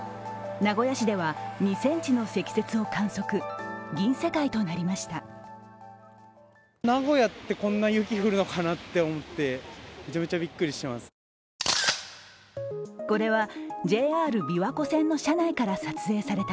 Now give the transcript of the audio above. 名古屋市では２ｃｍの積雪を観測、銀世界となりました。